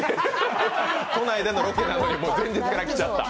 都内でのロケなのに前日から来ちゃった。